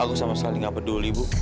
aku sama sekali tidak peduli bu